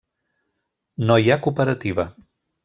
No hi ha cooperativa.